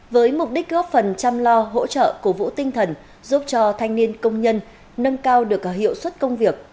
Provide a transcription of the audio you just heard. với mục đích góp phần chăm lo hỗ trợ cổ vũ tinh thần giúp cho thanh niên công nhân nâng cao được hiệu suất công việc